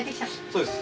そうです。